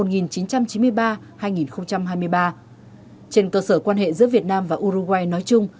trên cơ sở quan hệ giữa việt nam và uruguay nói chung